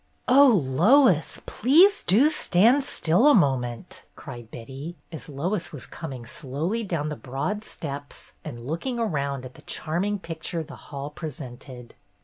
''Oh, Lois, do please stand still a mo ment !'' cried Betty, as Lois was coming slowly down the broad steps and looking around at the charming picture the hall presented.